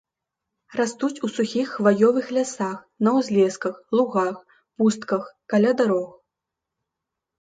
Растуць у сухіх хваёвых лясах, на ўзлесках, лугах, пустках, каля дарог.